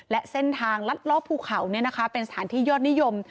และเส้นทางลัดลอบภูเขาเป็นสถานที่ยอดนิยม